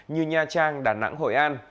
như nha trang đà nẵng hội an